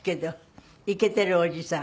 イケてるおじさん。